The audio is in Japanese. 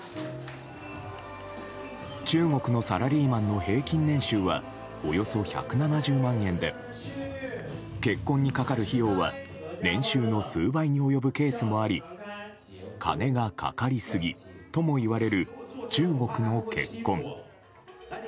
中国のサラリーマンの平均年収はおよそ１７０万円で結婚にかかる費用は年収の数倍に及ぶケースもあり金がかかりすぎともいわれる中国の結婚。